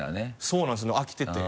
そうなんですよね飽きてて。